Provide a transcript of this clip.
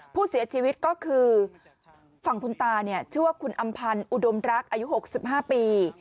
ผู้เสียชีวิตก็คือฝั่งคุณตาชื่อว่าคุณอำพันธ์อุดมรักอายุ๖๕ปี